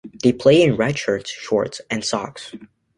They play in red shirts, shorts and socks.